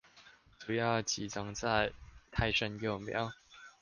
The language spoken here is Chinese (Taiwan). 主要集中在胎生幼苗